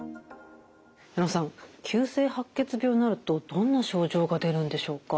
矢野さん急性白血病になるとどんな症状が出るんでしょうか？